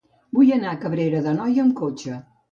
Vull anar a Cabrera d'Anoia amb cotxe.